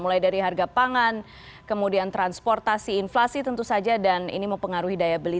mulai dari harga pangan kemudian transportasi inflasi tentu saja dan ini mempengaruhi daya beli